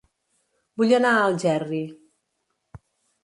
Vull anar a Algerri